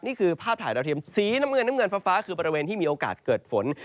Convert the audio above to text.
นี่คือภาพถ่ายดาวเทียมสีน้ำเงินน้ำเงินฟ้าคือบริเวณที่มีโอกาสเกิดฝน